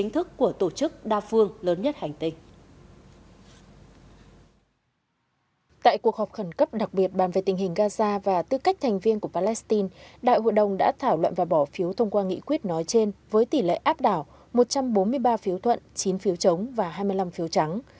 tại cuộc họp khẩn cấp đặc biệt bàn về tình hình gaza và tư cách thành viên của palestine đại hội đồng đã thảo luận và bỏ phiếu thông qua nghị quyết nói trên với tỷ lệ áp đảo một trăm bốn mươi ba phiếu thuận chín phiếu chống và hai mươi năm phiếu trắng